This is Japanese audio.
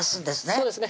そうですね